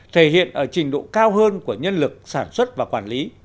thể hiện ở trình độ cao hơn của nhân lực sản xuất và quản lý